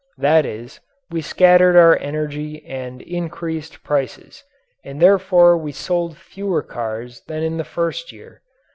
That is, we scattered our energy and increased prices and therefore we sold fewer cars than in the first year.